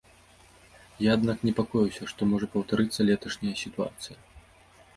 Я, аднак, непакоюся, што можа паўтарыцца леташняя сітуацыя.